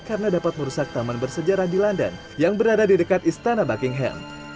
karena dapat merusak taman bersejarah di london yang berada di dekat istana buckingham